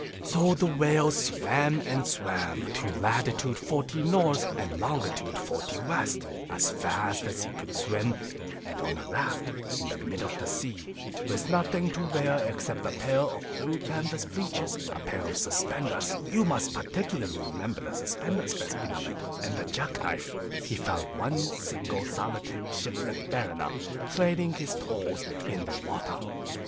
So the Whale swam and swam to latitude Fifty North, longitude Forty West, as fast as he could swim, and on a raft, in the middle of the sea, with nothing to wear except a pair of blue canvas breeches, a pair of suspenders (you must particularly remember the suspenders, Best Beloved), and a jack knife, he found one single, solitary shipwrecked Mariner, trailing his toes in the water.